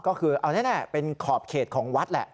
ก็คือเอาแน่เป็นขอบเขตของวัดแหละ